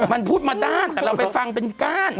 มันพูดมาด้านแต่เราไปฟังเป็นก้าน